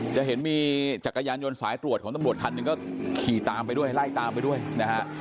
จะเห็นมีจักรยานยนต์สายตรวจของตำรวจคันหนึ่งก็ขี่ตามไปด้วยไล่ตามไปด้วยนะฮะ